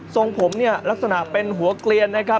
ทรงผมลักษณะเป็นหัวกเลียนนะครับ